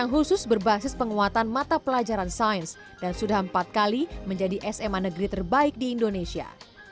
khusus berbasis penguatan mata pelajaran sains dan sudah empat kali menjadi sma negeri terbaik di indonesia